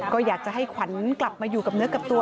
ก็อยากจะให้ขวัญกลับมาอยู่กับเนื้อกับตัว